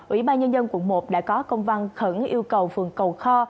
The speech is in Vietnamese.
ủy ban nhân dân quận một đã có công văn khẩn yêu cầu phường cầu kho